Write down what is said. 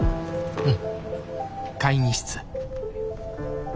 うん。